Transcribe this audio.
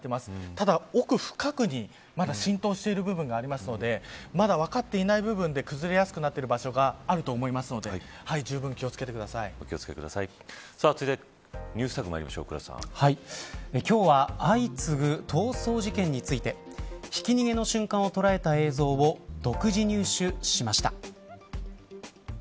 ただ、奥深くにまだ浸透している部分があるのでまだ分かっていない部分で崩れやすくなっている場所があると思いますので続いてＮｅｗｓＴａｇ今日は、相次ぐ逃走事件について。ひき逃げの瞬間を捉えた映像を独自入手しました。